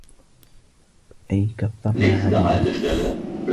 أَيْ كَثَّرْنَا عَدَدَهُمْ